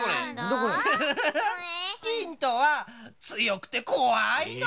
ヒントはつよくてこわいの。